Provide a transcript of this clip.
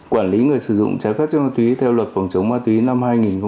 quản lý người sử dụng trái phép chất ma túy theo luật phòng chống ma túy năm hai nghìn một mươi